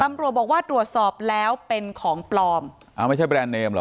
ตำรวจบอกว่าตรวจสอบแล้วเป็นของปลอมอ้าวไม่ใช่แรนดเนมเหรอ